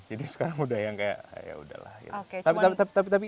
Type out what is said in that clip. jadi sekarang udah yang kayak ya udahlah gitu